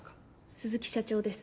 鈴木社長です